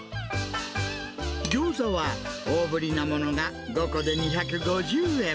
ギョーザは大ぶりなものが５個で２５０円。